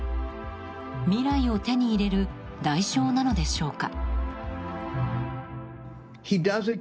未来を手に入れる代償なのでしょうか。